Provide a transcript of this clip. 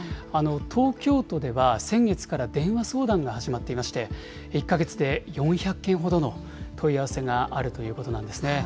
東京都では、先月から電話相談が始まっていまして、１か月で４００件ほどの問い合わせがあるということなんですね。